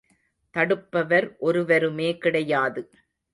தடுப்பவர் ஒருவருமே கிடையாது.